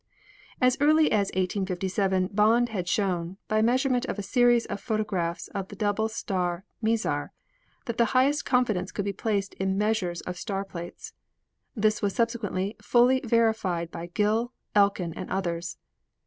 "As early as 1857 Bond had shown, by measurement of a series of photographs of the double star Mizar, that the highest confidence could be placed in measures of star plates. This was subsequently fully verified by Gill, Elkin and others.